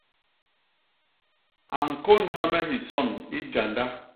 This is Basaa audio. A ñkônha me hison i janda.